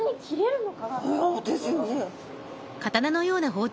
そうですよね。